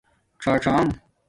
څݳڅݳم